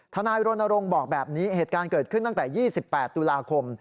ทนายรณรงค์บอกแบบนี้เหตุการณ์เกิดขึ้นตั้งแต่๒๘ตุลาคม